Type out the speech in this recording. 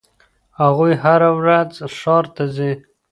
هغوی هره ورځ ښار ته ځي.